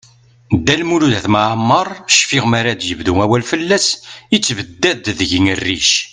Dda Lmud At Mɛemmeṛ, cfiɣ mi ara d-bdu awal fell-as, yettebdad deg-i rric.